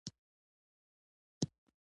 هلته مې خپل دلیلونه هم وړاندې کړي وو